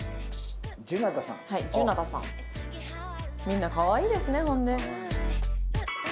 みんなかわいいですねほんで。